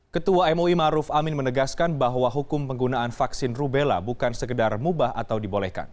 ketua mui maruf amin menegaskan bahwa hukum penggunaan vaksin rubella bukan sekedar mubah atau dibolehkan